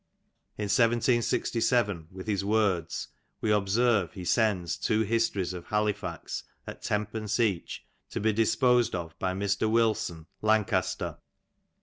In 1767 with his works, we observe, he sends two HUtories of Halifax at tenpence each, to be disposed of by Mr. Wilson, Lancaster.